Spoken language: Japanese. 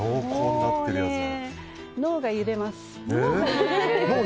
脳が揺れます。